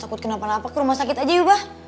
takut kenapa napa ke rumah sakit aja yuk mbak